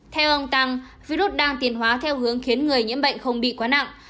theo ông tăng virus đang tiền hóa theo hướng khiến người nhiễm bệnh không bị quá nặng